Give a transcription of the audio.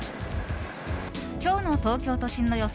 今日の東京都心の予想